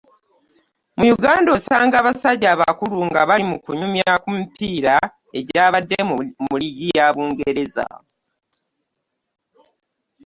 Mu Uganda osanga abasajja abakulu nga bali mu kunyumya ku mipiira egyabadde mu liigi ya Bungereza.